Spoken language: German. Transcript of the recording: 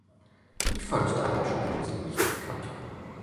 Die Verluste an Menschenleben sind nicht bekannt.